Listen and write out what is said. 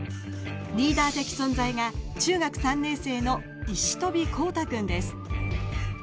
リーダー的存在が中学３年生の石飛孝汰君です。